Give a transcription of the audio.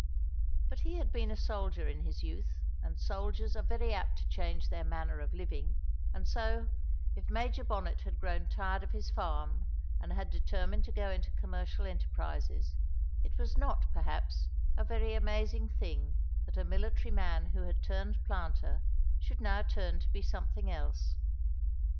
But he had been a soldier in his youth, and soldiers are very apt to change their manner of living, and so, if Major Bonnet had grown tired of his farm and had determined to go into commercial enterprises, it was not, perhaps, a very amazing thing that a military man who had turned planter should now turn to be something else.